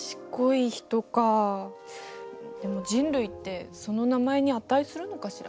でも人類ってその名前に値するのかしら？